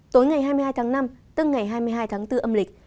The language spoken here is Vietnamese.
tối ngày hai mươi hai tháng năm tức ngày hai mươi hai tháng bốn âm lịch